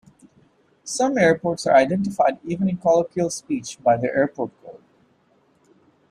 Some airports are identified even in colloquial speech by their airport code.